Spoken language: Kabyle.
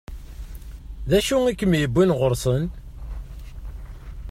D acu i kem-yewwin ɣur-sen?